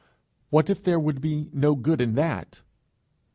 What if there would be no good in that?